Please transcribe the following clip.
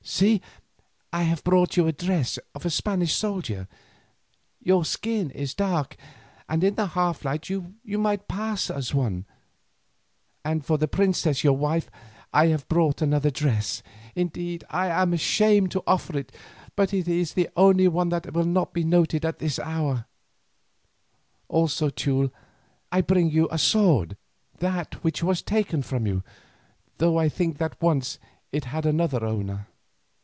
See, I have brought you the dress of a Spanish soldier; your skin is dark, and in the half light you might pass as one; and for the princess your wife, I have brought another dress, indeed I am ashamed to offer it, but it is the only one that will not be noted at this hour; also, Teule, I bring you a sword, that which was taken from you, though I think that once it had another owner."